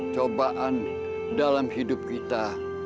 cobaan dalam hidup kita